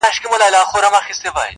دا چي دي شعرونه د زړه جيب كي وړي.